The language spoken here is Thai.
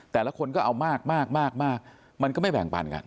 แต่ละคนก็เอามากมากมันก็ไม่แบ่งปันกัน